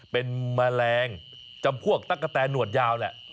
เป็นแมลงจำพวกตั้งแต่หนวดยาวเนี่ย